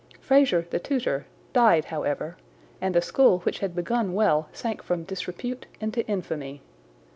Fraser, the tutor, died however, and the school which had begun well sank from disrepute into infamy.